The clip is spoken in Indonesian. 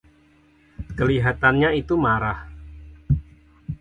Kelihatannya itu murah.